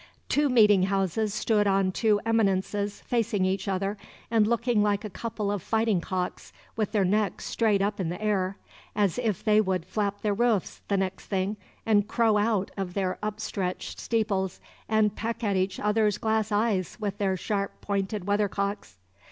Two meeting houses stood on two eminences, facing each other, and looking like a couple of fighting cocks with their necks straight up in the air, as if they would flap their roofs, the next thing, and crow out of their upstretched steeples, and peck at each other's glass eyes with their sharp pointed weathercocks.